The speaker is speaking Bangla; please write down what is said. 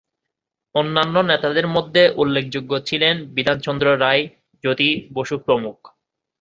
অন্যান্য নেতাদের মধ্যে উল্লেখযোগ্য ছিলেন বিধানচন্দ্র রায়, জ্যোতি বসু প্রমুখ।